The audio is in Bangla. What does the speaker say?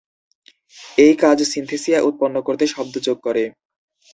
এই কাজ সিনথেসিয়া উৎপন্ন করতে শব্দ যোগ করে।